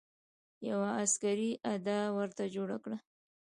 یوه عسکري اډه ورته جوړه کړه.